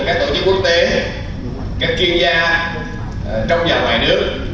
mà kể cả các tổ chức quốc tế các chuyên gia trong và ngoài nước